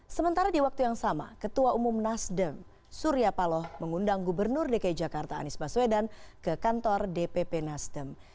sementara di waktu yang sama ketua umum nasdem surya paloh mengundang gubernur dki jakarta anies baswedan ke kantor dpp nasdem